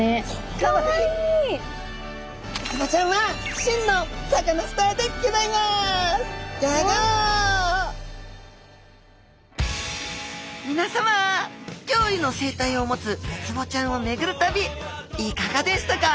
きょういの生態を持つウツボちゃんをめぐる旅いかがでしたか？